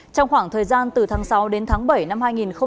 trong khoảng thời gian từ tháng sáu đến tháng bảy năm hai nghìn hai mươi